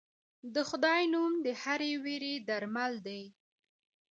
د خدای نوم د هرې وېرې درمل دی.